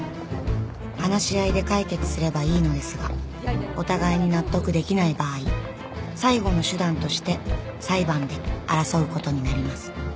話し合いで解決すればいいのですがお互いに納得できない場合最後の手段として裁判で争う事になります